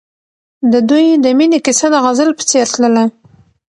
د دوی د مینې کیسه د غزل په څېر تلله.